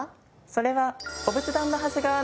それは。